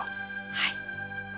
はい。